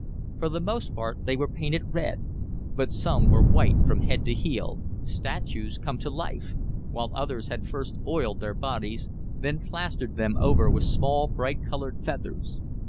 For the most part they were painted red, but some were white from head to heel, statues come to life, while others had first oiled their bodies, then plastered them over with small bright colored feathers.